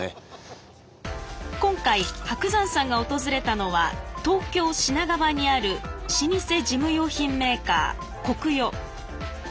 今回伯山さんが訪れたのは東京・品川にある老舗事務用品メーカーコクヨ。